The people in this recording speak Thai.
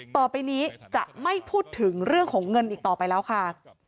ต่อไปนี้จะไม่พูดถึงเรื่องของเงินอีกต่อไปแล้วค่ะ